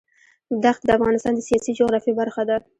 دښتې د افغانستان د سیاسي جغرافیه برخه ده.